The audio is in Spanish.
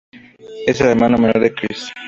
Es el hermano menor de Chris.